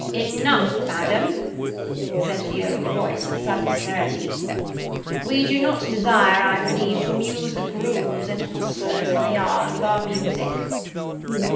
"Enough, Madame!" said the old voice, with sudden severity. "We do not desire, I believe, to amuse the grooms and hostlers in the yard with our music."